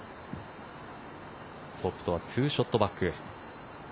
トップとはツーショットバック。